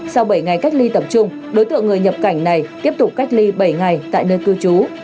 sau bảy ngày cách ly tập trung đối tượng người nhập cảnh này tiếp tục cách ly bảy ngày tại nơi cư trú